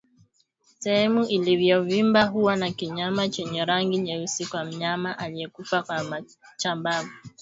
Sehemu iliyovimba huwa na kinyama chenye rangi nyeusi kwa mnyama aliyekufa kwa chambavu